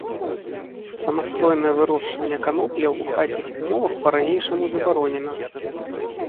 Самастойнае вырошчванне канопляў у хатніх умовах па-ранейшаму забаронена.